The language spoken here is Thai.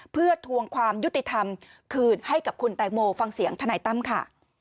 เพื่อทวงความยุติธรรมคืนให้กับคุณแตงโมฟังเสียงทนายตั้มค่ะ